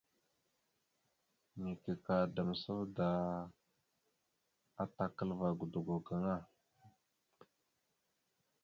Neke ka damsavda atakalva godogo gaŋa.